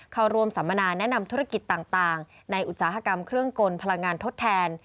เข้าร่วมสัมมนาแนะนำธุรกิจต่างในอุตสาหกรรมเครื่องกลพลังงานทดแทน